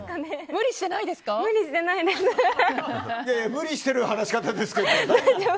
無理してる話し方ですけど。